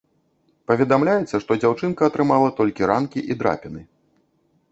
Паведамляецца, што дзяўчынка атрымала толькі ранкі і драпіны.